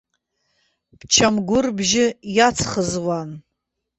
Бчамгәыр бжьы иацӷызуан.